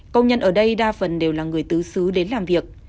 công nhân ở đây đa phần đều là người tứ xứ đến làm việc